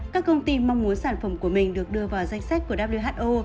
các công ty mong muốn sản phẩm của mình được đưa vào danh sách của who